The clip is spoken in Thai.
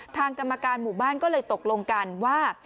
ทางกรรมการหมู่บ้านก็เลยตกลงกันว่า